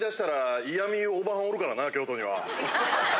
京都には。